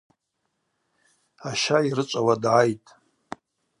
Аща йрычӏвауа дгӏайтӏ.